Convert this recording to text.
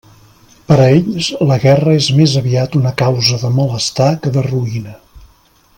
Per a ells, la guerra és més aviat una causa de malestar que de ruïna.